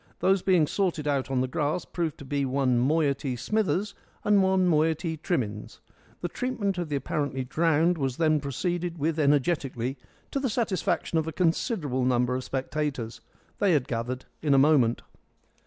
Those being sorted out on the grass proved to be one moiety Smithers and one moiety Trimmins. The treatment of the apparently drowned was then proceeded with energetically, to the great satisfaction of a considerable number of spectators. They had gathered in a moment.